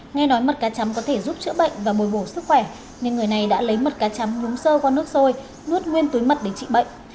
nghe nói mật cá chấm có thể giúp chữa bệnh và bồi bổ sức khỏe nên người này đã lấy mật cá chấm nhúng sơ qua nước sôi nuốt nguyên túi mật để trị bệnh